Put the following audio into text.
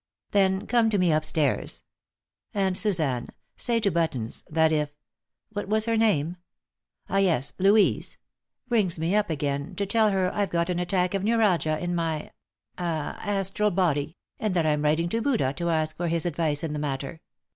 Then come to me up stairs. And, Suzanne, say to Buttons that if what was her name? ah, yes, Louise rings me up again to tell her I've got an attack of neuralgia in my ah astral body, and that I'm writing to Buddha to ask for his advice in the matter.